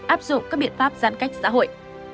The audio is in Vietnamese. áp dụng các biện pháp giãn cách xã hội